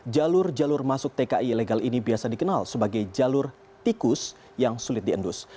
jalur jalur masuk tki ilegal ini biasa dikenal sebagai jalur tikus yang sulit diendus